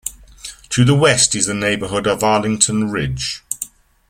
To the West is the neighborhood of Arlington Ridge.